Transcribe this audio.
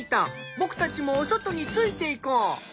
僕たちもお外についていこう。